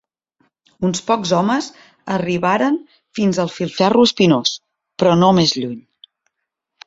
Uns pocs homes arribaren fins al filferro espinós, però no més lluny.